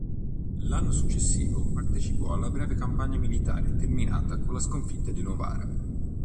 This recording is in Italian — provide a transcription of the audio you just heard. L'anno successivo partecipò alla breve campagna militare terminata con la sconfitta di Novara.